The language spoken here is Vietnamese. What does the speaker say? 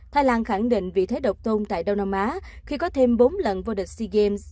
thái lan khẳng định vị thế độc tôn tại đông nam á khi có thêm bốn lần vô địch sea games